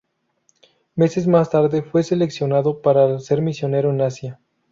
Meses más tarde fue seleccionado para ser misionero en Asia.